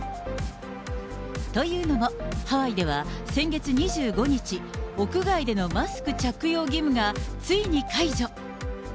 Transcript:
というのも、ハワイでは先月２５日、屋外でのマスク着用義務がついに解除。